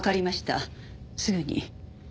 すぐに。